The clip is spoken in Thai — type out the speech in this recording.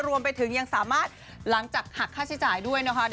รวมไปถึงยังสามารถหลังจากหักค่าใช้จ่ายด้วยนะคะ